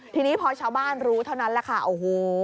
ทีนี้พอชาวบ้านรู้เท่านั้นแหละค่ะโอ้โห